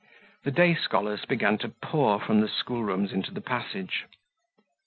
The day scholars began to pour from the schoolrooms into the passage.